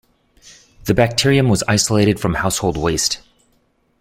The bacterium was isolated from household waste.